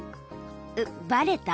うっバレた？